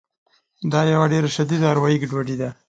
دا یوه ډېره شدیده اروایي ګډوډي ده